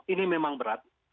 ini memang berat